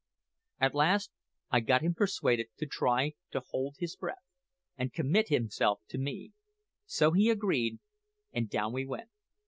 At last I got him persuaded to try to hold his breath, and commit himself to me; so he agreed, and down we went.